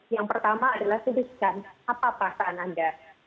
yang pertama adalah tuliskan apa perasaan anda